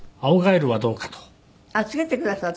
あっつけてくださった？